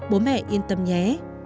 bố mẹ yên tâm nhé